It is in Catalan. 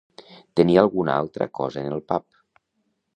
Tenir alguna altra cosa en el pap.